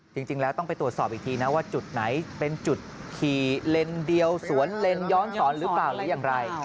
จริงแล้วต้องไปตรวจสอบอีกทีนะว่าจุดไหนเป็นจุดขี่เลนส์เดียวสวนเลนย้อนสอนหรือเปล่าหรืออย่างไร